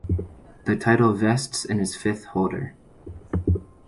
The title vests in its fifth holder.